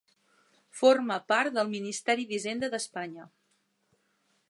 Forma part del Ministeri d'Hisenda d'Espanya.